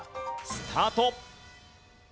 スタート！